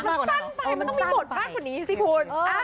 มันตั้งไปมันต้องมีบทภาพตัวนี้สิคุณ